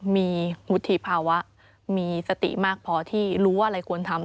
มีวุฒิภาวะมีสติมากพอที่รู้ว่าอะไรควรทำ